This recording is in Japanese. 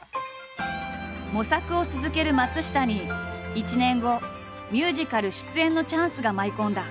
模索を続ける松下に１年後ミュージカル出演のチャンスが舞い込んだ。